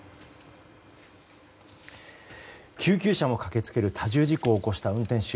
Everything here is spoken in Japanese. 救急車も駆けつける多重事故を起こした運転手。